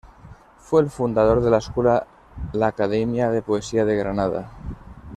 Fue el fundador de la escuela la academia de poesía de Granada.